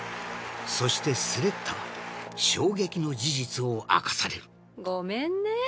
そしてスレッタは衝撃の事実を明かされるごめんね。